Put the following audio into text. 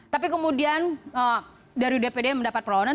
tapi kemudian dari dpd mendapat perlawanan